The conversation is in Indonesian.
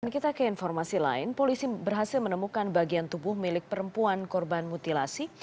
kita ke informasi lain polisi berhasil menemukan bagian tubuh milik perempuan korban mutilasi